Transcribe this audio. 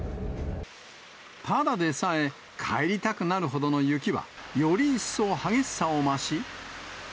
ただでさえ、帰りたくなるほどの雪は、より一層激しさを増し。